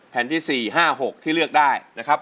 ที่๔๕๖ที่เลือกได้นะครับ